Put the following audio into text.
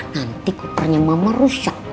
nanti kopernya mama rusak